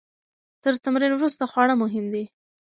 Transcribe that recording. تر تمرین وروسته خواړه مهم دي.